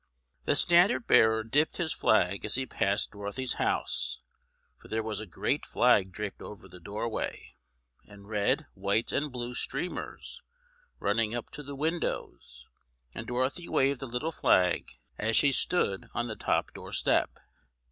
The standard bearer dipped his flag as he passed Dorothy's house, for there was a great flag draped over the doorway, and red, white and blue streamers running up to the windows, and Dorothy waved a little flag as she stood on the top doorstep.